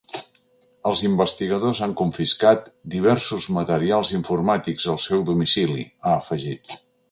Els investigadors han confiscat “diversos materials informàtics” al seu domicili, ha afegit.